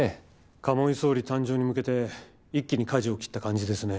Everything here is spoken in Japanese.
鴨井総理誕生に向けて一気にかじを切った感じですね。